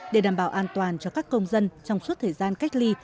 để đảm bảo an toàn cho các công dân trong suốt thời gian cách ly